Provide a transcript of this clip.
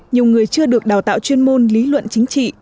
nhiều người chưa được đào tạo chuyên môn lý luận chính trị